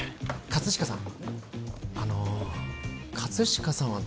葛飾さん